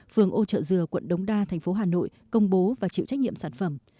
phường âu trợ dừa quận đống đa tp hà nội công bố và chịu trách nhiệm sản phẩm